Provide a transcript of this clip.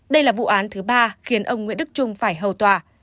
đây là vụ án thứ ba khiến ông nguyễn đức trung phải hầu tòa